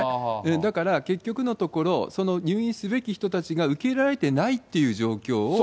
だから結局のところ、その入院すべき人たちが受けられてないっていう状況を。